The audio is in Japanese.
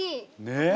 ねえ！